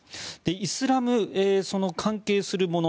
イスラムに関係するもの。